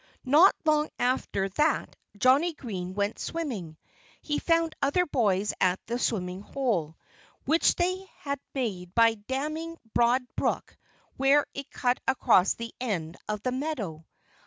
Not long after that Johnnie Green went swimming. He found other boys at the swimming hole, which they had made by damming Broad Brook where it cut across the end of the meadow.